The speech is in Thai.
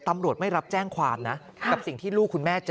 ตำรวจไม่รับแจ้งความนะกับสิ่งที่ลูกคุณแม่เจอ